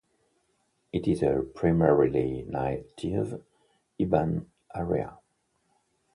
It is a primarily native Iban area.